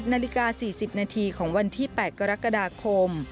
นาฬิกา๔๐นาทีของวันที่๘กรกฎาคม